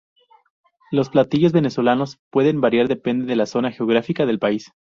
Los platillos venezolanos pueden variar depende de la zona geográfica del país.